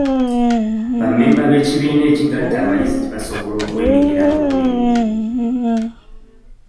Bammemba b'ekibiina ekigatta abayizi basobola okwenyigira mu bulimi.